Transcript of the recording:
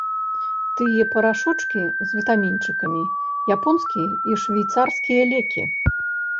Тыя парашочкі з вітамінчыкамі, японскія і швейцарскія лекі!